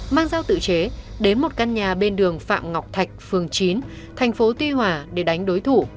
mang giao tự chế đến một căn nhà bên đường phạm ngọc thạch phường chín tp tuy hòa để đánh đối thủ